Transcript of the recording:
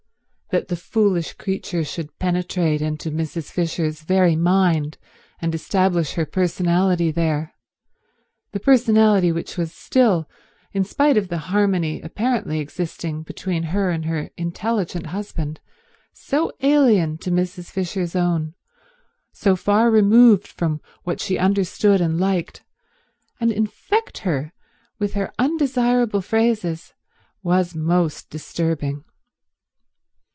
That the foolish creature should penetrate into Mrs. Fisher's very mind and establish her personality there, the personality which was still, in spite of the harmony apparently existing between her and her intelligent husband, so alien to Mrs. Fisher's own, so far removed from what she understood and liked, and infect her with her undesirable phrases, was most disturbing.